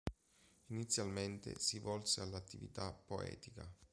Inizialmente si volse all'attività poetica.